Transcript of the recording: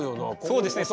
そうですね